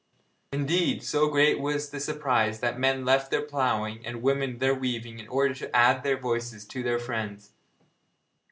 Indeed, so great was the surprise that men left their ploughing and women their weaving in order to add their voices to their friends'.